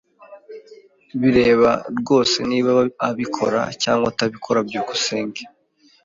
Bireba rwose niba abikora cyangwa atabikora. byukusenge